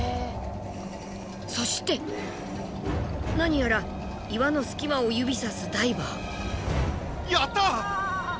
そして何やら岩の隙間を指さすダイバー。